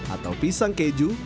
atau pisang keju